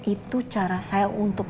itu cara saya untuk